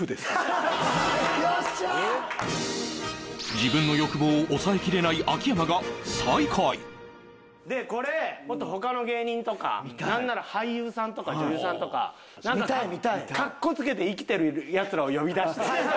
自分の欲望を抑えきれない秋山が最下位でこれもっと他の芸人とかなんなら俳優さんとか女優さんとかかっこつけて生きてるヤツらを呼び出して。